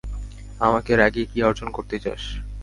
আমাকে রাগিয়ে কী অর্জন করতে চাস?